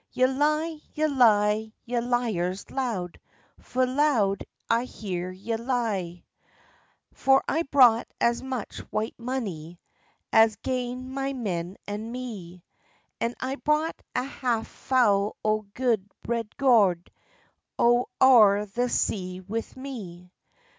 "Ye lie, ye lie, ye liars loud! Fu' loud I hear ye lie! "For I brought as much white monie As gane my men and me, And I brought a half fou' o' gude red goud, Out o'er the sea wi' me.